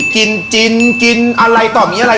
กินกินอะไรต่อมีอะไร